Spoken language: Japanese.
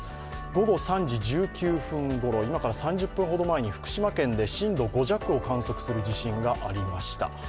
午後３時１９分ごろ、今から３０分程前に福島県で震度５弱を観測する地震がありました。